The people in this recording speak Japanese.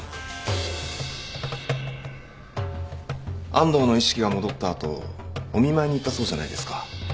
安藤の意識が戻った後お見舞いに行ったそうじゃないですか。